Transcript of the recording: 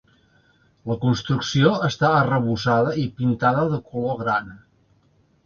La construcció està arrebossada i pintada de color grana.